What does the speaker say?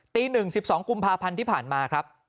ตีหนึ่งสิบสองกุมภาพันธ์ที่ผ่านมาครับ